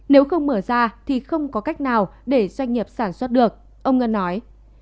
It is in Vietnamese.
nếu không mở ra thì không có cách nào để doanh nghiệp sản xuất được ông ngân nói